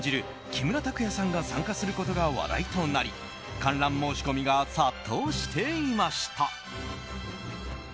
木村拓哉さんが参加することが話題となり観覧申し込みが殺到していました。